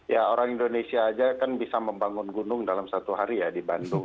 ya orang indonesia aja kan bisa membangun gunung dalam satu hari ya di bandung